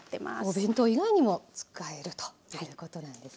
お弁当以外にも使えるということなんですね。